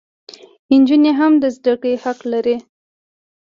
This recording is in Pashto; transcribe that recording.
انجونې هم د زدکړي حق لري